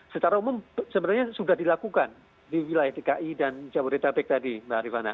secara umum sebenarnya sudah dilakukan di wilayah dki dan jab bodetabek tadi mbak arifana